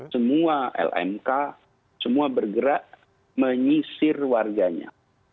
semua lmk semua bergerak menyisir warganya